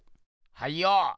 はいよ。